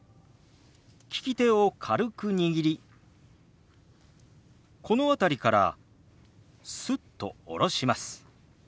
利き手を軽く握りこの辺りからスッと下ろします。